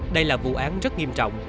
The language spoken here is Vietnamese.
đây là vụ án rất nghiêm trọng